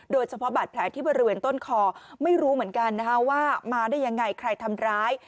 โดยเฉพาะบาดแผลที่บริเวณต้นคอไม่รู้เหมือนกันนะคะว่ามาได้ยังไงใครทำร้าย